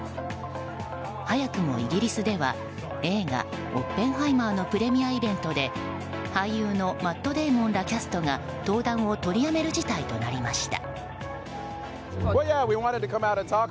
早くもイギリスでは映画「オッペンハイマー」のプレミアイベントで俳優のマット・デイモンらキャストが、登壇を取りやめる事態となりました。